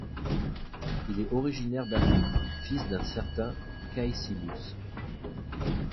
Il est originaire d'Afrique, fils d'un certain Caecilius.